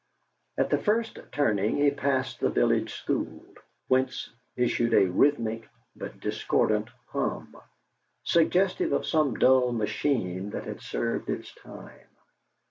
At the first turning he passed the village school, whence issued a rhythmic but discordant hum, suggestive of some dull machine that had served its time.